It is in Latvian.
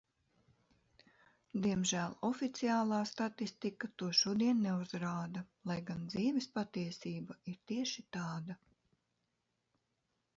Diemžēl oficiālā statistika to šodien neuzrāda, lai gan dzīves patiesība ir tieši tāda.